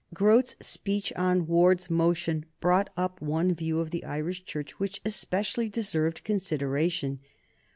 Grote's speech on Ward's motion brought up one view of the Irish Church which especially deserved consideration.